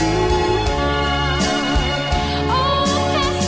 oh kasih allah yang limpah